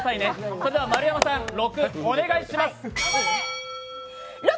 それでは、丸山さん、お願いします。